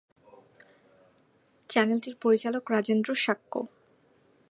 চ্যানেলটির পরিচালক রাজেন্দ্র শাক্য।